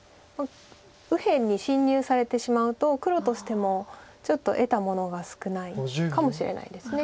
右辺に侵入されてしまうと黒としてもちょっと得たものが少ないかもしれないです。